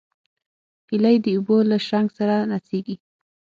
هیلۍ د اوبو له شرنګ سره نڅېږي